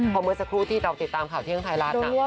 เพราะเมื่อสักครู่ที่เราติดตามข่าวเที่ยงไทยรัฐ